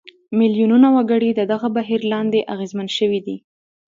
میلیونونه وګړي د دغه بهیر لاندې اغېزمن شوي دي.